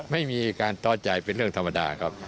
ไม่มีการต้อใจเป็นเรื่องธรรมดาครับ